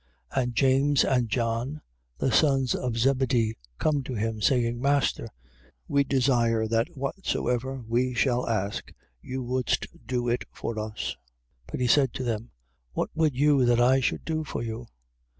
10:35. And James and John, the sons of Zebedee, come to him, saying: Master, we desire that whatsoever we shall ask, thou wouldst do it for us. 10:36. But he said to them: What would you that I should do for you?